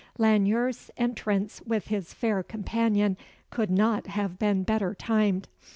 Lanyere's entrance with his fair companion could not have been better timed.